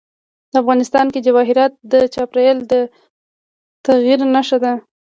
افغانستان کې جواهرات د چاپېریال د تغیر نښه ده.